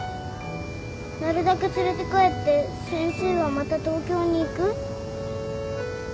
なるだけ連れて帰って先生はまた東京に行く？